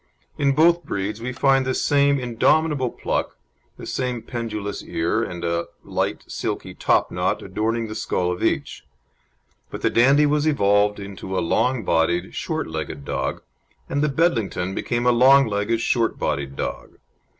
In both breeds we find the same indomitable pluck, the same pendulous ear, and a light silky "topknot" adorning the skull of each; but the Dandie was evolved into a long bodied, short legged dog, and the Bedlington became a long legged, short bodied dog!